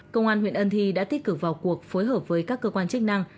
công an huyện ân thi đã tích cực vào cuộc phối hợp với các cơ quan chức năng